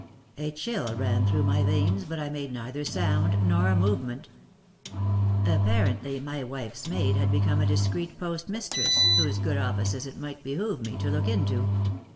A chill ran through my veins, but I made neither sound nor movement. Apparently my wife's maid had become a discreet postmistress, whose good offices it might behoove me to look into.